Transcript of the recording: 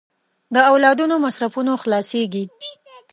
د اولادونو د مصرفونو خلاصېږي.